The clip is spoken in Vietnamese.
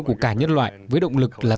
của cả nhân loại với động lực là